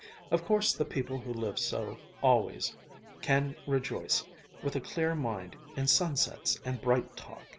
Of course the people who live so always, can rejoice with a clear mind in sunsets and bright talk.